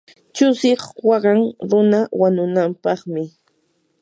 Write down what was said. chusiq waqan runa wanunampaqmi.